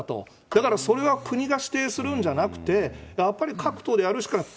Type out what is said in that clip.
だからそれは国が指定するんじゃなくて、やっぱり各党でやるしかない。